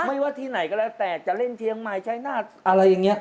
ไม่ว่าที่ไหนก็แล้วแต่จะเล่นเชียงใหม่ใช้นาฏอะไรอย่างนี้